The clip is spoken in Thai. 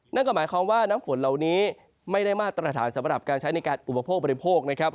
นั่นก็หมายความว่าน้ำฝนเหล่านี้ไม่ได้มาตรฐานสำหรับการใช้ในการอุปโภคบริโภคนะครับ